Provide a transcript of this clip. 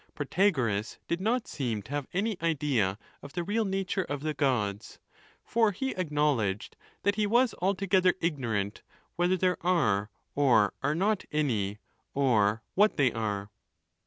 Protagoras did not seem to have any idea of the real nature of the Gods ; for he acknowledged that he was al together ignorant whether there are or are not any, or what they are.